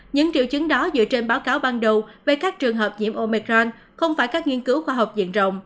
những triệu chứng đó dựa trên báo cáo ban đầu về các trường hợp nhiễm omecran không phải các nghiên cứu khoa học diện rộng